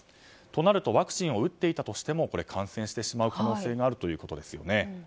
となるとワクチンを打っていたとしても感染してしまう可能性があるということですよね。